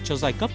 cho giai cấp